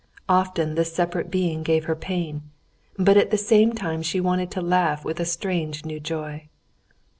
Often this separate being gave her pain, but at the same time she wanted to laugh with a strange new joy.